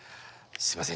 すいません。